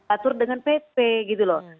atur dengan pp gitu loh